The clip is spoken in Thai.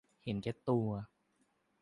เห็นแก่ตัว